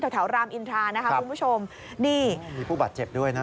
แถวรามอินทรานะคะคุณผู้ชมนี่มีผู้บาดเจ็บด้วยนะ